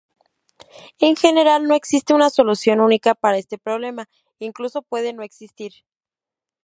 En general no existe una solución única para este problema, incluso puede no existir.